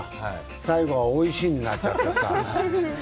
最後はおいしくなっちゃってさ。